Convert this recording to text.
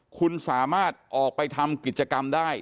คุณสามารถออกไปทำกิจกรรมได้